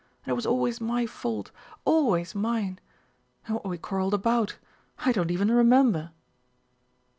And it was always my fault. Always mine. And what we quarreled about—I don't even remember!"